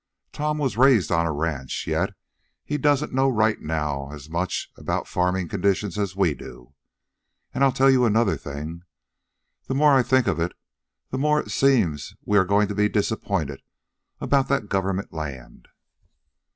Tom was raised on a ranch, yet he doesn't know right now as much about farming conditions as we do. And I'll tell you another thing. The more I think of it, the more it seems we are going to be disappointed about that government land."